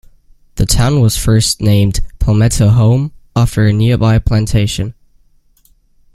The town was first named Palmetto Home, after a nearby plantation.